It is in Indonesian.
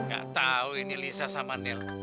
gak tahu ini lisa sama neil